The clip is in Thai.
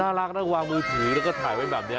น่ารักนะวางมือถือแล้วก็ถ่ายไว้แบบนี้